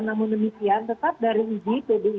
namun demikian tetap dari udi